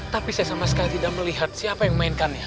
tapi saya sama sekali tidak melihat siapa yang memainkannya